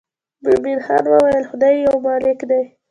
مومن خان وویل خدای یو مالک دی.